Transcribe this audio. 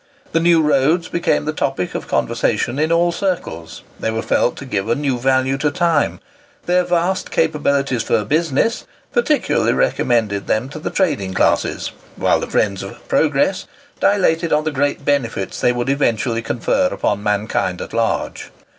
The new roads became the topic of conversation in all circles; they were felt to give a new value to time; their vast capabilities for "business" peculiarly recommended them to the trading classes; whilst the friends of "progress" dilated on the great benefits they would eventually confer upon mankind at large.